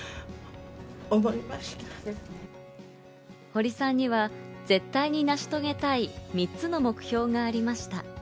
堀さんには絶対に成し遂げたい３つの目標がありました。